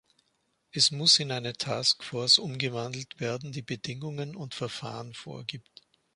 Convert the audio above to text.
Es muss in eine task force umgewandelt werden, die Bedingungen und Verfahren vorgibt.